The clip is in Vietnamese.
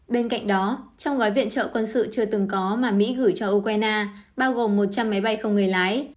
bên cạnh đó trong gói viện trợ quân sự chưa từng có mà mỹ gửi cho ukraine bao gồm một trăm linh máy bay không người lái